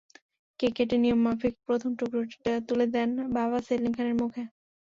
Cake কেটে নিয়মমাফিক প্রথম টুকরোটি তুলে দেন বাবা সেলিম খানের মুখে।